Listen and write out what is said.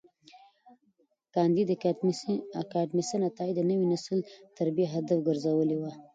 کانديد اکاډميسن عطایي د نوي نسل تربیه هدف ګرځولي وه.